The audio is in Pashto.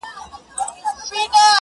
ښه په کټ کټ مي تدبير را سره خاندي,